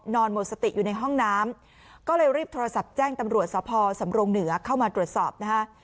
หมดสติอยู่ในห้องน้ำก็เลยรีบโทรศัพท์แจ้งตำรวจสพสำรงเหนือเข้ามาตรวจสอบนะฮะ